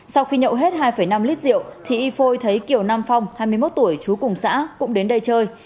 sau khi nhậu hết hai năm lít rượu thì y phôi thấy kiều nam phong hai mươi một tuổi chú cùng xã cũng đến đây chơi